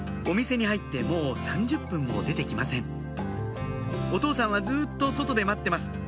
お店に入ってもう３０分も出て来ませんお父さんはずっと外で待ってます